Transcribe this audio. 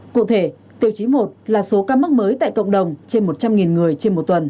cụ thể tiêu chí một là số ca mắc mới tại cộng đồng trên một trăm linh người trên một tuần